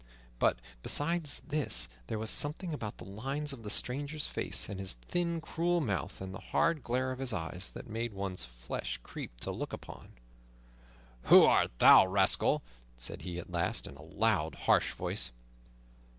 But beside this there was something about the lines on the stranger's face, and his thin cruel mouth, and the hard glare of his eyes, that made one's flesh creep to look upon. "Who art thou, rascal?" said he at last, in a loud, harsh voice.